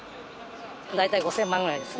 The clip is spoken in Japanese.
大体５０００万ぐらいです。